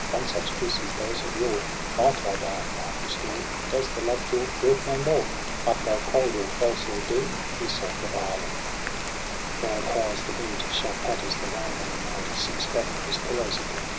One such kiss as those of yore Might thy dying knight restore ! Does the love draught work no more? Art thou cold, or false, or dead, Iseult of Ireland? * Loud howls the wind, sharp patters the rain, And the knight sinks back on his pillows again.